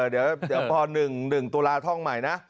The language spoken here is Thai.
เดี๋ยวพอ๑๑ตุลาท่องใหม่นะ